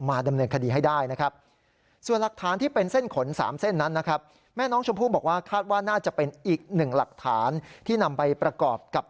ดำเนินคดีให้ได้นะครับ